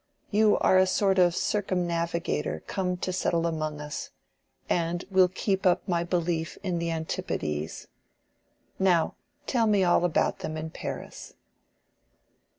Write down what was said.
You are a sort of circumnavigator come to settle among us, and will keep up my belief in the antipodes. Now tell me all about them in Paris."